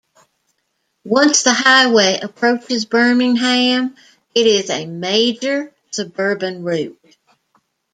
Once the highway approaches Birmingham, it is a major suburban route.